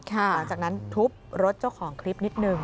หลังจากนั้นทุบรถเจ้าของคลิปนิดนึง